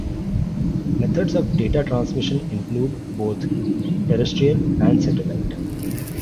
Methods for data transmission include both terrestrial and satellite.